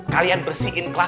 kalian bersihin kelas